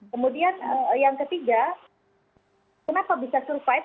kemudian yang ketiga kenapa bisa survive